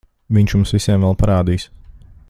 Viņš jums visiem vēl parādīs...